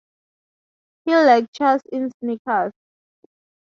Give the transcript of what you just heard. He lectures in sneakers.